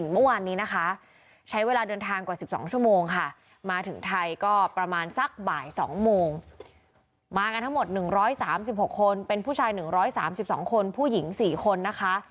มากันทั้งหมด๑๓๖คนเป็นผู้ชาย๑๓๒คนผู้หญิง๔คนนะคะ